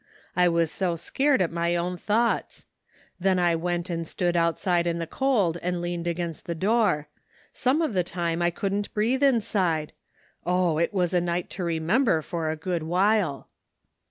I was so scared at my own thoughts. Then I went and stood outside in the cold and leaned against the door ; some of the time I couldn't breathe inside. Oh! it was a night to remember for a good while."